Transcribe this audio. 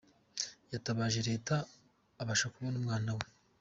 Yatabaje Leta abasha kubona umwana we .